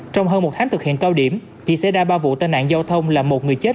trong hơn một tháng thực hiện cao điểm chỉ xảy ra ba vụ tai nạn giao thông là một người chết